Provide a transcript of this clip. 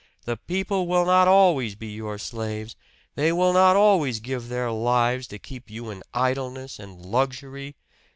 The people will not always be your slaves they will not always give their lives to keep you in idleness and luxury!